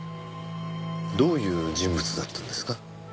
どういう人物だったんですか？